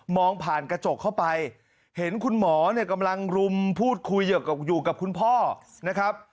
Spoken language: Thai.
มองผ่านกระจกเข้าไปเห็นคุณหมอกำลังรุมพูดคุยอยู่กับคุณพ่อนะครับ